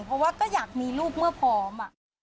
เพราะว่าก็อยากมีลูกเมื่อพร้อม